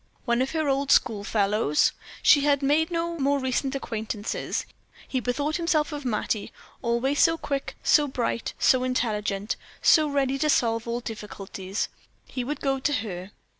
One of her old school fellows? She had made no more recent acquaintances. He bethought himself of Mattie, always so quick, so bright, so intelligent, so ready to solve all difficulties. He would go to her.